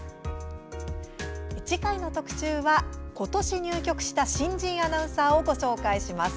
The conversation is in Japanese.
次回の特集は、ことし入局した新人アナウンサーをご紹介します。